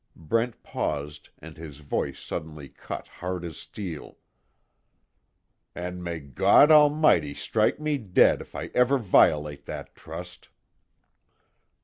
Brent paused, and his voice suddenly cut hard as steel, "And may God Almighty strike me dead if I ever violate that trust!"